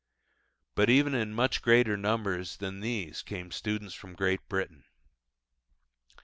But even in much greater numbers than these came students from Great Britain.